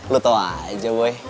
lo tau aja boy